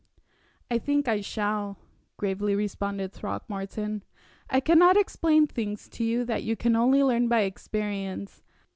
"I think I shall," gravely responded Throckmorton. "I can not explain things to you that you can only learn by experience.